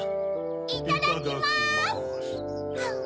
いただきます！